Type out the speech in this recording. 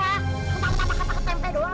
ntar ntar makan makan tempe doang